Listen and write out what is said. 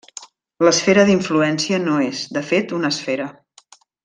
L'esfera d'influència no és, de fet, una esfera.